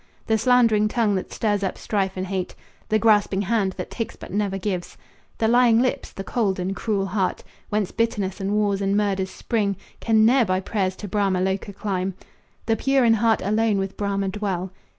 The slandering tongue, that stirs up strife and hate, The grasping hand, that takes but never gives, The lying lips, the cold and cruel heart, Whence bitterness and wars and murders spring, Can ne'er by prayers to Brahma Loca climb. The pure in heart alone with Brahma dwell.